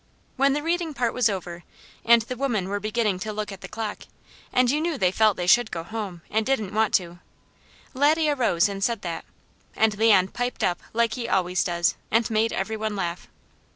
When the reading part was over, and the women were beginning to look at the clock, and you knew they felt they should go home, and didn't want to, Laddie arose and said that, and Leon piped up like he always does and made every one laugh.